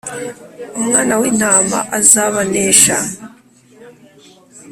Umwana w’intama azabanesha